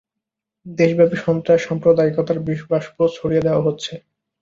দেশব্যাপী সন্ত্রাস সাম্প্রদায়িকতার বিষবাষ্প ছড়িয়ে দেওয়া হচ্ছে।